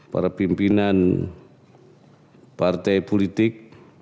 para pimpinan partai politik